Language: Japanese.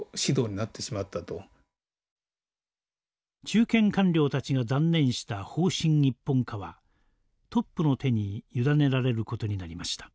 中堅官僚たちが断念した方針一本化はトップの手に委ねられる事になりました。